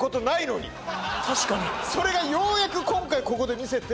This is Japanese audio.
それがようやく今回ここで見せて。